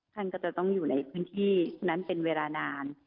ท่านก็จะต้องอยู่ในพื้นที่นั้นเป็นเวลานาน